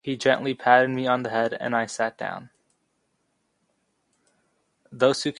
In the dead of night he stealthily entered her chamber with a drawn sword.